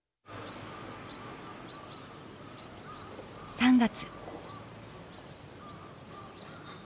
３月。